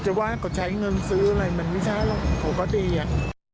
จะวางก็ใช้เงินซื้ออะไรเหมือนวิชาล่ะเขาก็ดีอะ